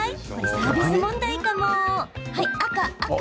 サービス問題かも！